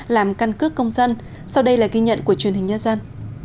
làm căn cước công dân sau đây là ghi nhận của truyền hình nhân dân